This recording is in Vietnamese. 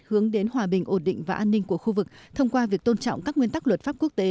hướng đến hòa bình ổn định và an ninh của khu vực thông qua việc tôn trọng các nguyên tắc luật pháp quốc tế